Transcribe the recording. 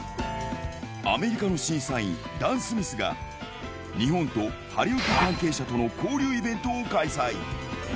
アメリカの審査員、ダン・スミスが、日本とハリウッド関係者との交流イベントを開催。